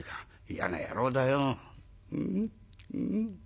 嫌な野郎だよ」。